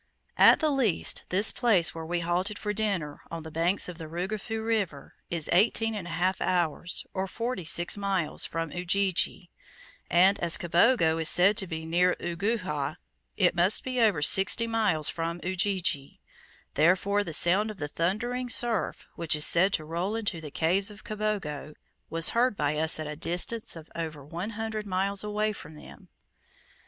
At the least, this place where we halted for dinner, on the banks of the Rugufu River, is eighteen and a half hours, or forty six miles, from Ujiji; and, as Kabogo is said to be near Uguhha, it must be over sixty miles from Ujiji; therefore the sound of the thundering surf, which is said to roll into the caves of Kabogo, was heard by us at a distance of over one hundred miles away from them.